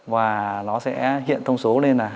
và nó sẽ hiện thông số lên là